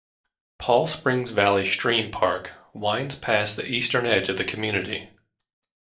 Paul Springs Valley Stream Park winds past the eastern edge of the community.